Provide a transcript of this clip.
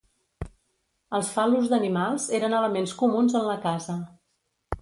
Els fal·lus d'animals eren elements comuns en la casa.